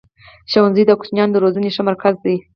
ښوونځی د کوچنیانو د روزني ښه مرکز دی.